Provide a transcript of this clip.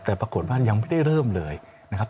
แต่ปรากฏว่ายังไม่ได้เริ่มเลยนะครับ